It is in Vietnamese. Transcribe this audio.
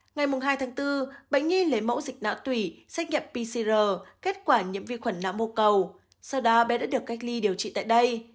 ngày hai tháng bốn bệnh nhi lấy mẫu dịch nạo tủy xét nghiệm pcr kết quả nhiễm vi khuẩn nạ mô cầu sau đó bé đã được cách ly điều trị tại đây